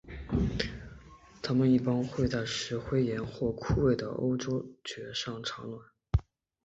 它们一般会在石灰岩或枯萎的欧洲蕨上产卵。